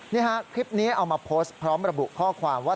นี่ฮะคลิปนี้เอามาโพสต์พร้อมระบุข้อความว่า